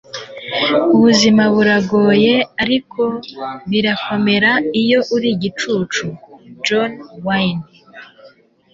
Ubuzima buragoye, ariko birakomera iyo uri igicucu.” - John Wayne